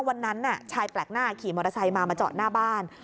วันนั้นชายแปลกหน้าขี่มอเตอร์ไซค์มามาจอดหน้าบ้าน